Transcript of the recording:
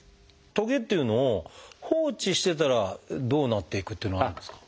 トゲっていうのを放置してたらどうなっていくっていうのはあるんですか？